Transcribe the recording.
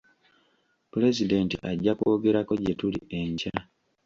Pulezidenti ajja kwogerako gye tuli enkya.